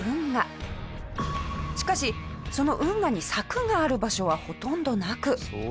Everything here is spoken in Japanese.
しかしその運河に柵がある場所はほとんどなく。